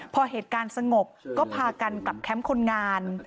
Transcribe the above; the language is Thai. พอเหตุการณ์สงบก็พากันกลับแคมป์คนงาน